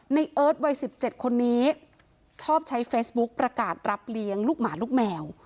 เอิร์ทวัย๑๗คนนี้ชอบใช้เฟซบุ๊คประกาศรับเลี้ยงลูกหมาลูกแมว